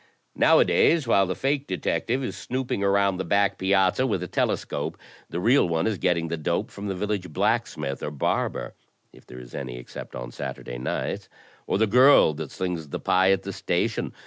Nowadays, while the fake detective is snooping around the back piazza with a telescope, the real one is getting the 'dope' from the village blacksmith or barber (if there is any except on Saturday nights) or the girl that slings the pie at the station.